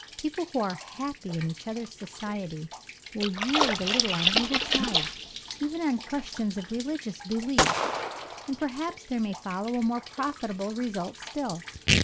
People who are happy in each other's society, will yield a little on either side, even on questions of religious belief. And perhaps there may follow a more profitable result still.